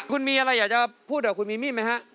คุณมีอะไรอยากพูดครับคุณมีมีมิไหมฮะ